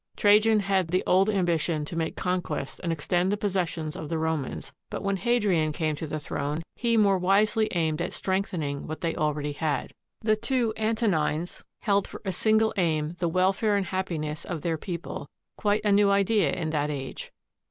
Trajan had the old ambition to make conquests and extend the possessions of the Romans; but when Hadrian came to the throne, he more wisely aimed at strengthening what they already had. The two Antonines held for a single aim the welfare and happiness of their peo ple, quite a new idea in that age.